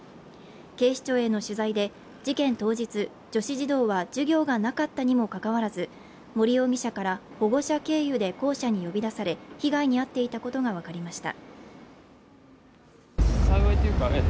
警視庁への取材で、事件当日女子児童は授業がなかったにもかかわらず森容疑者から保護者経由で校舎に呼び出され被害に遭っていたことが分かりました。